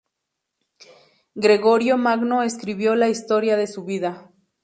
Gregorio Magno escribió la historia de su vida.